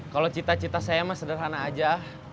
kalau cita cita saya mah sederhana aja